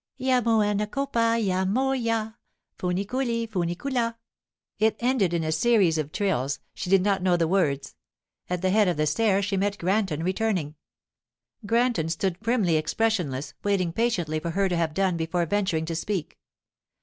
'"Jammo 'ncoppa, jammo jà ... Funiculì—funiculà."' It ended in a series of trills; she did not know the words. At the head of the stairs she met Granton returning. Granton stood primly expressionless, waiting patiently for her to have done before venturing to speak.